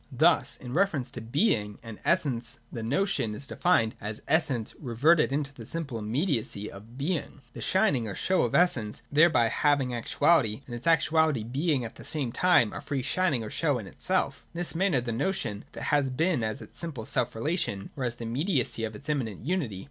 Thus in reference to Being and Essence the Notion is defined as Essence reverted to the simple immediacy of Being, — the shining or show of Essence thereby hav ing actuality, and its actuality being at the same time a free shining or show in itself In this manner the notion has being as its simple selfrelation, or as the immediacy of its immanent unity.